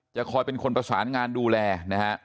จะคอยเป็นคนประสานงานดูแลนะฮะ